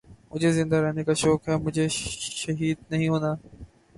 مجھے زندہ رہنے کا شوق ہے مجھے شہید نہیں ہونا ہے